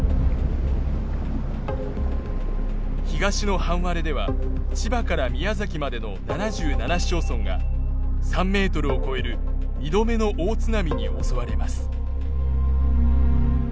東の半割れでは千葉から宮崎までの７７市町村が３ｍを超える２度目の大津波に襲われます。